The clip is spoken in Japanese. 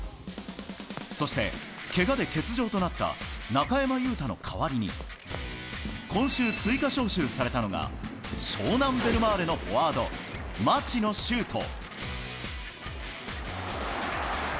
そして、けがで欠場となった中山雄太の代わりに、今週、追加招集されたのが、湘南ベルマーレのフォワード、町野修斗。